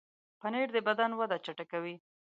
پنېر د بدن وده چټکوي.